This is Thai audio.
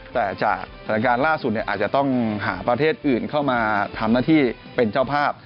แต่จากสถานการณ์ล่าสุดอาจจะต้องหาประเทศอื่นเข้ามาทำหน้าที่เป็นเจ้าภาพ